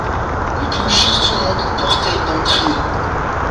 Le clocher surmonte le portail d'entrée.